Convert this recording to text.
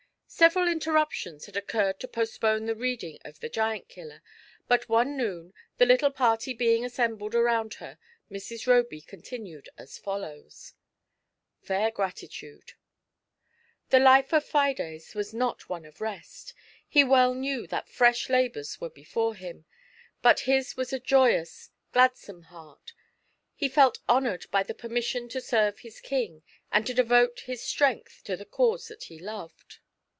Several interruptions had occurred to postpone the reading of "the Giant killer," but one noon, the little party being assembled around her, Mrs. Roby continued a£f foUows :— dfafr 6xatitu'tit. The life of Fides was not one of rest : he well knew that fresh labours were before him, but his was a joyous, gladsome heart; he iclt honoured by the permission to serve his King, and to devote his strength to the cause that he loved.